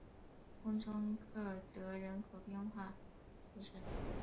空中科尔德人口变化图示